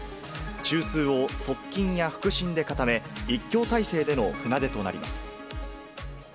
中枢を側近や腹心で固め、一強体制での船出となります。